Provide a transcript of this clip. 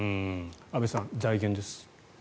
安部さん、財源です。